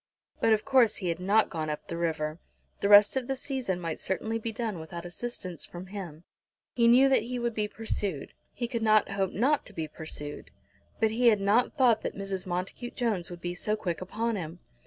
But of course he had not gone up the river! The rest of the season might certainly be done without assistance from him. He knew that he would be pursued. He could not hope not to be pursued. But he had not thought that Mrs. Montacute Jones would be so quick upon him.